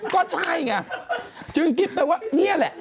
ก็ใช่ไงจึงคิดไปว่านี่แหละ